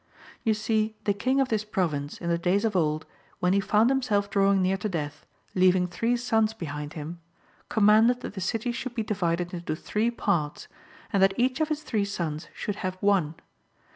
You see the King of this Province, in the days of old, when he found himself drawing near to death, leaving tlirce Chap. XLIV. PROVINCE AND CITY OF SINDAFU. 23 sons behind him, commanded that the city should be divided into three parts, and that each of his three sons should have one.